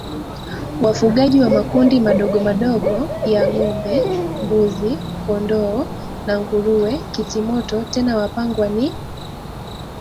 wafugaji wa makundi madogomadogo ya ngombe mbuzi kondoo na nguruwe kitimoto Tena Wapangwa ni